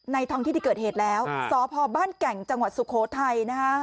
ท้องที่ที่เกิดเหตุแล้วสพบ้านแก่งจังหวัดสุโขทัยนะฮะ